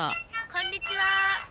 「こんにちは」